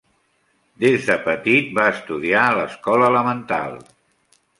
Des de petit va estudiar a l’escola elemental.